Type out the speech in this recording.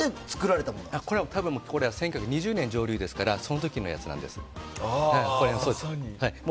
１９２０年ですからその時のやつなんです。